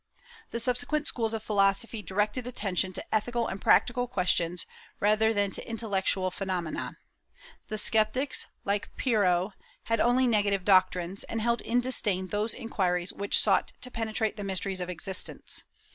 The subsequent schools of philosophy directed attention to ethical and practical questions, rather than to intellectual phenomena. The Sceptics, like Pyrrho, had only negative doctrines, and held in disdain those inquiries which sought to penetrate the mysteries of existence.